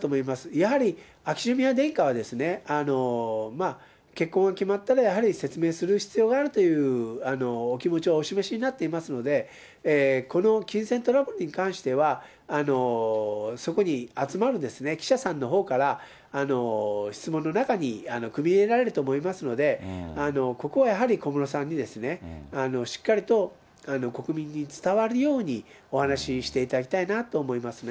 やはり秋篠宮殿下は、結婚が決まったらやはり説明する必要があるというお気持ちはお示しになってますので、この金銭トラブルに関しては、そこに集まる記者さんのほうから、質問の中に組み入れられると思いますので、ここはやはり小室さんにしっかりと国民に伝わるようにお話していただきたいなと思いますね。